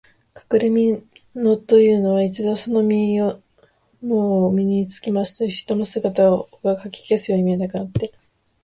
かくれみのというのは、一度そのみのを身につけますと、人の姿がかき消すように見えなくなって、